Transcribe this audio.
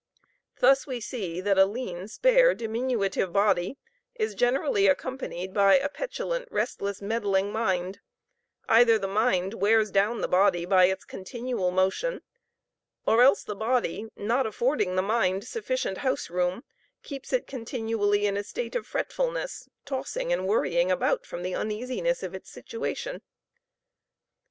Thus we see that a lean, spare, diminutive body is generally accompanied by a petulant, restless, meddling mind; either the mind wears down the body, by its continual motion; or else the body, not affording the mind sufficient house room, keeps it continually in a state of fretfulness, tossing and worrying about from the uneasiness of its situation.